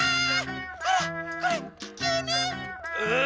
あらこれききゅうね！うん！